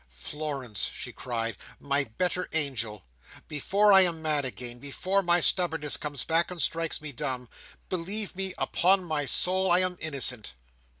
"Florence!" she cried. "My better angel! Before I am mad again, before my stubbornness comes back and strikes me dumb, believe me, upon my soul I am innocent!"